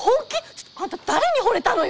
ちょっとあんた誰にほれたのよ！